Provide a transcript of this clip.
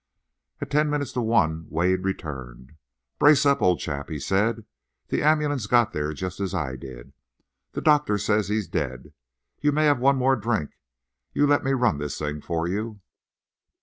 At ten minutes to one o'clock Wade returned. "Brace up, old chap," he said. "The ambulance got there just as I did. The doctor says he's dead. You may have one more drink. You let me run this thing for you.